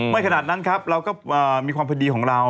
ขนาดนั้นครับเราก็มีความพอดีของเรา